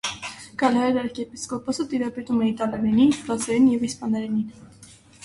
Գալահեր արքեպիսկոպոսը տիրապետում է իտալերենին, ֆրանսերենին և իսպաներենին։